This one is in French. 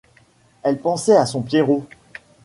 Elle pensait à son Pierrot.